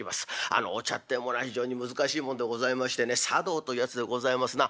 あのお茶ってものは非常に難しいもんでございましてね茶道というやつでございますな。